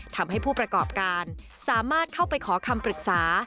ทำให้ผู้ประกอบการสามารถเข้าไปขอคำปรึกษา